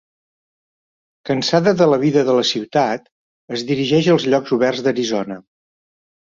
Cansada de la vida de la ciutat, es dirigeix als llocs oberts d'Arizona.